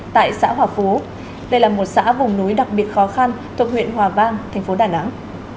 tại xã hòa phú đây là một xã vùng núi đặc biệt khó khăn thuộc huyện hòa vang thành phố đà nẵng